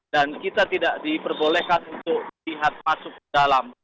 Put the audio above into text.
dan kita tidak diperbolehkan untuk melihat masuk ke dalam